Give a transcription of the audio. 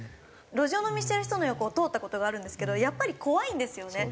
路上飲みしてる人の横を通った事があるんですけどやっぱり怖いんですよね。